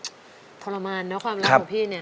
อเรนนี่ทรมานเนอะความรักของพี่เนี่ย